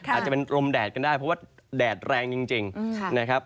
อาจจะเป็นลมแดดกันได้เพราะว่าแดดแรงจริงนะครับ